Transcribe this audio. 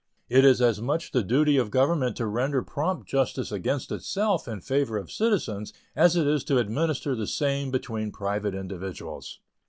It is as much the duty of Government to render prompt justice against itself in favor of citizens as it is to administer the same between private individuals.